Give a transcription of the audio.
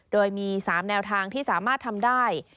โดยมี๓แนวทางที่สามารถทำได้